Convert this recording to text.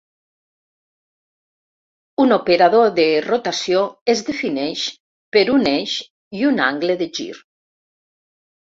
Un operador de rotació es defineix per un eix i un angle de gir.